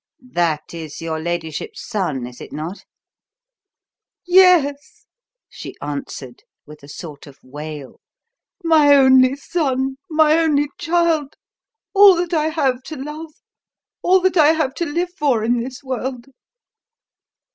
"That is your ladyship's son, is it not?" "Yes," she answered, with a sort of wail; "my only son my only child. All that I have to love all that I have to live for in this world."